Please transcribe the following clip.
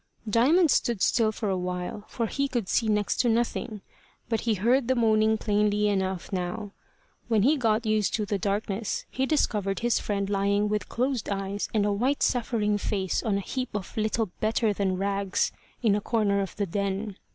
Diamond stood still for a while, for he could see next to nothing, but he heard the moaning plainly enough now, When he got used to the darkness, he discovered his friend lying with closed eyes and a white suffering face on a heap of little better than rags in a corner of the den.